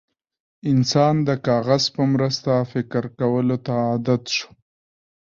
انسان د کاغذ په مرسته فکر کولو ته عادت شو.